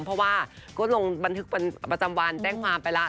เพราะว่าก็ลงบันทึกประจำวันแจ้งความไปแล้ว